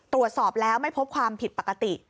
ตรวจสอบแล้วไม่พบความผิดปกติ